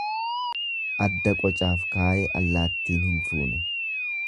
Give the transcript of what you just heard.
Adda qocaaf kaaye allaattiin hin fuune.